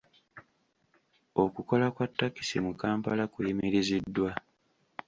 Okukola kwa takisi mu kampala kuyimiriziddwa.